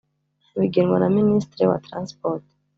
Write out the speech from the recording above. bigenwa na ministre wa transport